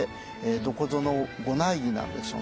どこぞの御内儀なんでしょうね。